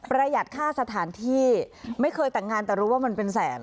หัดค่าสถานที่ไม่เคยแต่งงานแต่รู้ว่ามันเป็นแสน